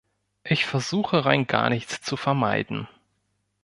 Ich versuche rein gar nichts zu vermeiden.